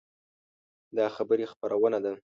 دا خبري خپرونه ده